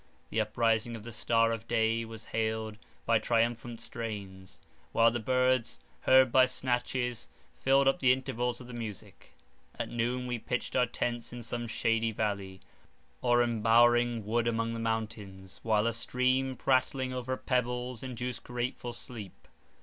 The uprising of the star of day was hailed by triumphant strains, while the birds, heard by snatches, filled up the intervals of the music. At noon, we pitched our tents in some shady valley, or embowering wood among the mountains, while a stream prattling over pebbles induced grateful sleep.